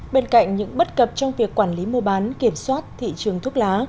bên cạnh những bất cập trong việc quản lý mua bán kiểm soát thị trường thuốc lá